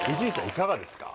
いかがですか？